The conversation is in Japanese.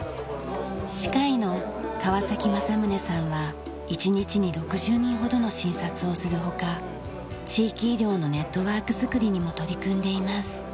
歯科医の川正宗さんは１日に６０人ほどの診察をするほか地域医療のネットワークづくりにも取り組んでいます。